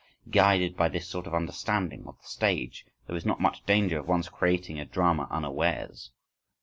Guided by this sort of understanding of the stage, there is not much danger of one's creating a drama unawares.